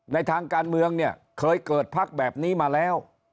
ในทางการเมืองเคยเกิดภัคดิ์แบบนี้มาแล้ว